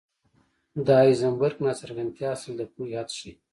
د هایزنبرګ ناڅرګندتیا اصل د پوهې حد ښيي.